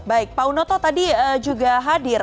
baik pak unoto tadi juga hadir